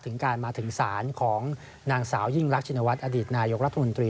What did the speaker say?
ถึงการมาถึงศาลของนางสาวยิ่งรักชินวัฒนอดีตนายกรัฐมนตรี